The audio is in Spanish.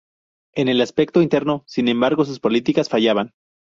En el aspecto interno, sin embargo, sus políticas fallaban.